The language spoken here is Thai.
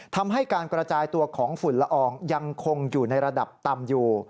ทำให้การกระจายตัวของฝุ่นละอองยังคงอยู่ในระดับต่ำอยู่